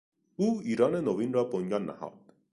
او ایران نوین را بنیان نهاد.